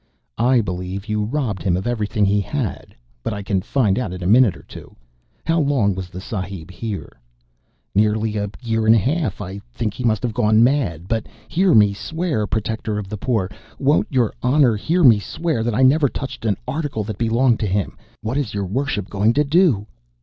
"I believe you robbed him of everything he had. But I can find out in a minute or two. How long was the Sahib here?" "Nearly a year and a half. I think he must have gone mad. But hear me swear Protector of the Poor! Won't Your Honor hear me swear that I never touched an article that belonged to him? What is Your Worship going to do?"